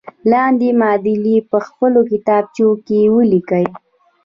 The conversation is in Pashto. لاندې معادلې په خپلو کتابچو کې ولیکئ.